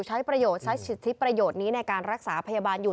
ใช้ประโยชน์ใช้สิทธิประโยชน์นี้ในการรักษาพยาบาลอยู่